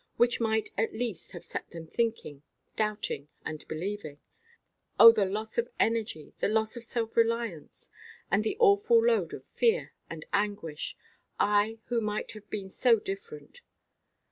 Which might, at least, have set them thinking, doubting, and believing. Oh the loss of energy, the loss of self–reliance, and the awful load of fear and anguish—I who might have been so different!